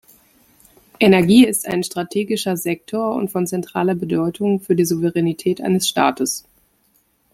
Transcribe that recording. Energie ist ein strategischer Sektor und von zentraler Bedeutung für die Souveränität eines Staates.